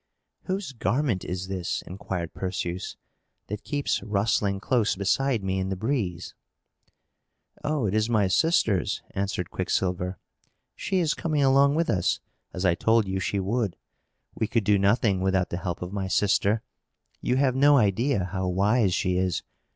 "Whose garment is this," inquired Perseus, "that keeps rustling close beside me in the breeze?" "Oh, it is my sister's!" answered Quicksilver. "She is coming along with us, as I told you she would. We could do nothing without the help of my sister. You have no idea how wise she is.